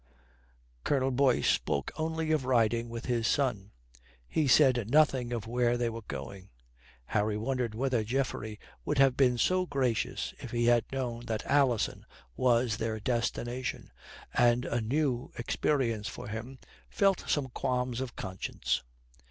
Colonel Boyce spoke only of riding with his son. He said nothing of where they were going. Harry wondered whether Geoffrey would have been so gracious if he had known that Alison was their destination, and, a new experience for him, felt some qualms of conscience.